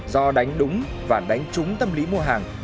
do đánh đúng và đánh trúng tâm lý mua hàng